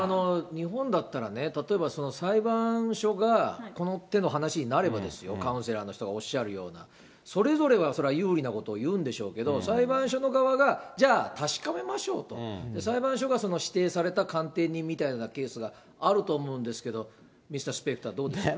日本だったらね、例えば、裁判所がこの手の話になれば、カウンセラーの人がおっしゃるような、それぞれが有利なことを言うんでしょうけども、裁判所の側が、じゃあ確かめましょうと、裁判所が指定された鑑定人みたいなケースがあると思うんですけど、ミスター・スペクター、どうですか？